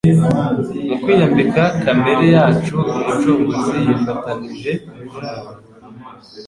Mu kwiyambika kamere yacu Umucunguzi yifatanije n'umuntu